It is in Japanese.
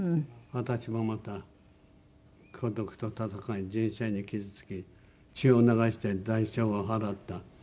「私も又孤独と闘い人生に傷つき血を流して代償を払った」